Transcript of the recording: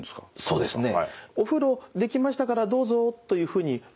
そうですね。